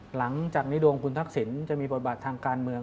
หลังจากนี้ดวงคุณทักษิณจะมีบทบาททางการเมือง